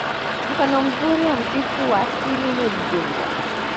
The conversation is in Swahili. Mfano mzuri wa msitu wa asili ni udzungwa